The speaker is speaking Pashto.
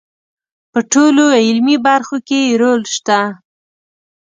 په ټولو علمي برخو کې یې رول شته.